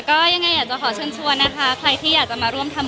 ก็ยังไงอยากจะขอเชิญชวนนะคะใครที่อยากจะมาร่วมทำ